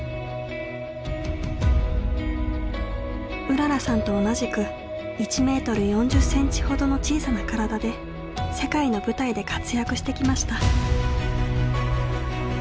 うららさんと同じく１メートル４０センチほどの小さな体で世界の舞台で活躍してきました。